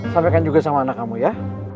sampaikan juga sama anak kamu ya